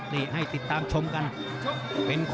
นี่ให้ติดตามชมกัน